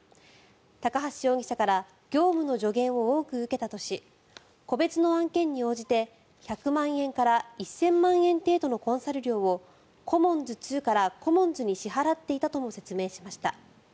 高橋容疑者から業務の助言を多く受けたとし個別の案件に応じて１００万円から１０００万円程度のコンサル料をコモンズ２からコモンズに払っていたとも説明しました。